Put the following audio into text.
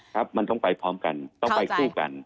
ครับมันต้องไปพร้อมกันต้องไปสู้กัน